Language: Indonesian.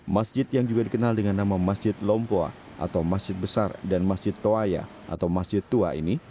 masjid yang juga dikenal dengan nama masjid lompua atau masjid besar dan masjid toaya atau masjid tua ini